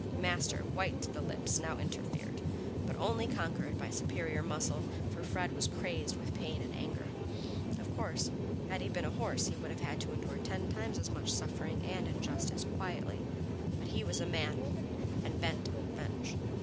Master, white to the lips, now interfered, but only conquered by superior muscle, for Fred was crazed with pain and anger. Of course, had he been a horse he would have had to endure ten times as much suffering and injustice quietly, but he was a man and bent on revenge.